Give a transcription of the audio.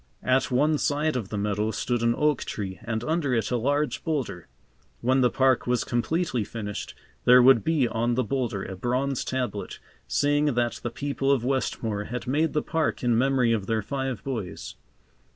At one side of the meadow stood an oak tree and under it a large boulder. When the park was completely finished there would be on the boulder a bronze tablet, saying that the people of Westmore had made the park in memory of their five boys.